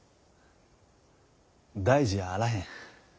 大事あらへん。